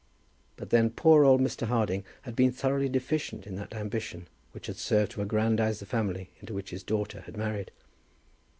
But then poor old Mr. Harding had been thoroughly deficient in that ambition which had served to aggrandize the family into which his daughter had married.